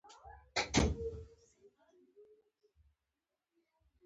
خدای مو ووهه